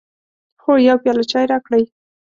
هو، یو پیاله چای راکړئ